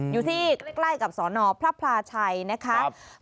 อยู่ที่ใกล้กับสนพระพลาชัยนะคะ